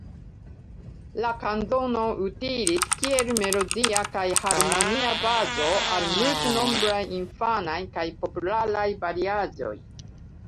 La kanzono utilis kiel melodia kaj harmonia bazo al multnombraj infanaj kaj popularaj variaĵoj.